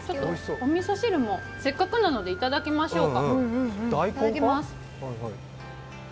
おみそ汁も、せっかくなのでいただきましょうか。